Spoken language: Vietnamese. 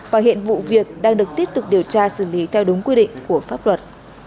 và hiện vụ việc đang được tiếp tục điều tra xử lý theo đúng quy định của pháp luật